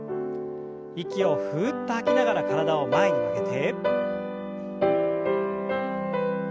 息をふっと吐きながら体を前に曲げて。